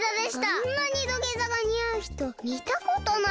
あんなに土下座がにあうひとみたことない。